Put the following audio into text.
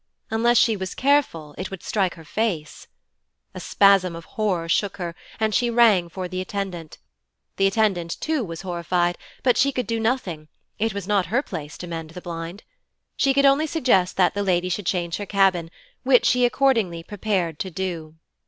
Unless she was careful, it would strike her face. A spasm of horror shook her and she rang for the attendant. The attendant too was horrified, but she could do nothing; it was not her place to mend the blind. She could only suggest that the lady should change her cabin, which she accordingly prepared to do.